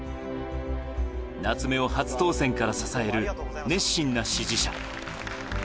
夏目を初当選から支える、熱心な支持者。